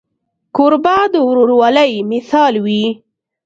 کوربه د ورورولۍ مثال وي.